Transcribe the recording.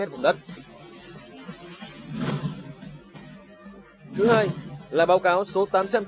thứ hai là báo cáo số tám trăm chín mươi sáu